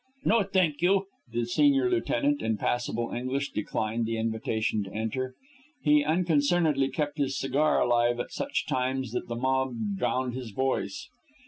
"No, thank you," the senior lieutenant, in passable English, declined the invitation to enter. He unconcernedly kept his cigar alive at such times that the mob drowned his voice.